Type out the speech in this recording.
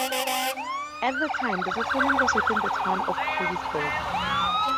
At the time the settlement was within the town of Perrysburg.